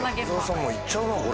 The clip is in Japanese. もう行っちゃうなこれ。